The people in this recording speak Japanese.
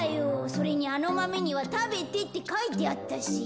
それにあのマメには「食べて」ってかいてあったし。